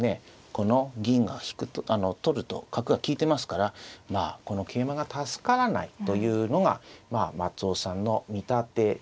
この銀が引くとあの取ると角が利いてますからまあこの桂馬が助からないというのが松尾さんの見立てなんですね。